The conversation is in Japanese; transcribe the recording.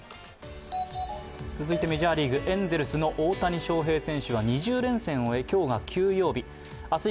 続いてメジャーリーグエンゼルスの大谷翔平選手は２０連戦を終え、今日が休養日。